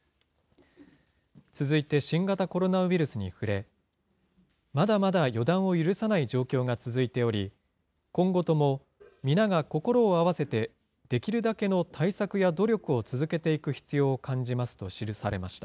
続いて、新型コロナウイルスに触れ、まだまだ予断を許さない状況が続いており、今後とも皆が心を合わせてできるだけの対策や努力を続けていく必要を感じますと記されました。